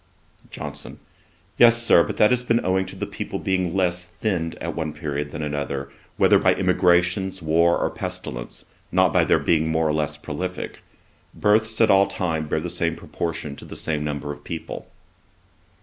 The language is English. JOHNSON. 'Yes, Sir; but that has been owing to the people being less thinned at one period than another, whether by emigrations, war, or pestilence, not by their being more or less prolifick. Births at all times bear the same proportion to the same number of people.'